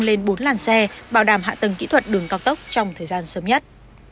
lên bốn làn xe bảo đảm hạ tầng kỹ thuật đường cao tốc trong thời gian sớm nhất